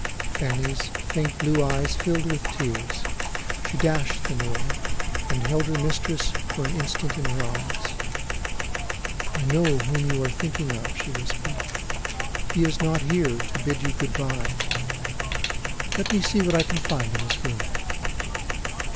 Fanny's faint blue eyes filled with tears. She dashed them away, and held her mistress for an instant in her arms. "I know whom you are thinking of," she whispered. "He is not here to bid you good bye. Let me see what I can find in his room."